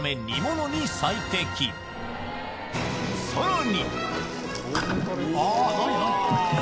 さらに！